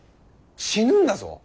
死ぬんだぞ。